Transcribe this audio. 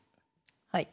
はい。